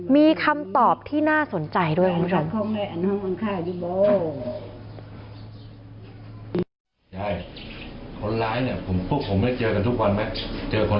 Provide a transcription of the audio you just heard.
มีคำตอบที่น่าสนใจด้วยคุณผู้ชม